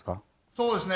そうですね。